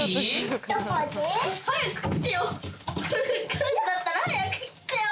来るんだったら早く来てよ。